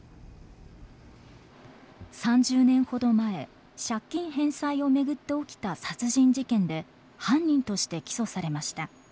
３０年ほど前借金返済をめぐって起きた殺人事件で犯人として起訴されました。